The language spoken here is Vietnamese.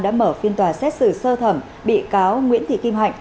đã mở phiên tòa xét xử sơ thẩm bị cáo nguyễn thị kim hạnh